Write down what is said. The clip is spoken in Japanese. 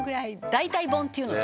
大体本っていうのを。